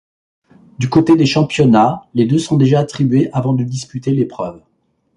Du côté des championnats, les deux sont déjà attribués avant de disputer l’épreuve.